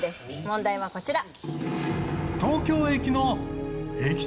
問題はこちら。